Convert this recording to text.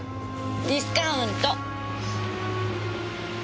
ディスカウント！